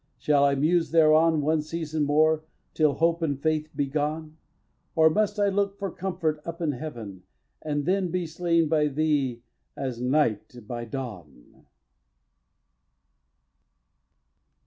Shall I muse thereon One season more, till hope and faith be gone? Or must I look for comfort up in Heaven And then be slain by thee as night by dawn?